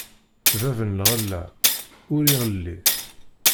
Bab n lɣella, ur iɣelli.